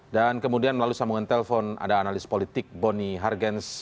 dan kemudian melalui sambungan telpon ada analis politik bonnie hargens